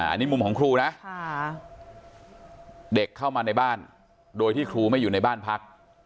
อันนี้มุมของครูนะเด็กเข้ามาในบ้านโดยที่ครูไม่อยู่ในบ้านพัก